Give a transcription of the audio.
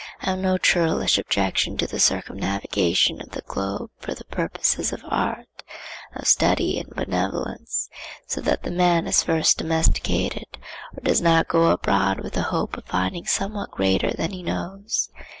I have no churlish objection to the circumnavigation of the globe for the purposes of art, of study, and benevolence, so that the man is first domesticated, or does not go abroad with the hope of finding somewhat greater than he knows.